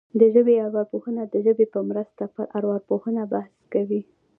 د ژبې ارواپوهنه د ژبې په مرسته پر ارواپوهنه بحث کوي